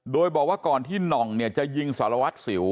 โดยบอกว่าก่อนที่หน่องเนี่ยจะยิงสารวัตรสิว